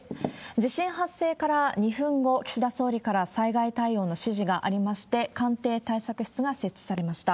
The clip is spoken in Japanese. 地震発生から２分後、岸田総理から災害対応の指示がありまして、官邸対策室が設置されました。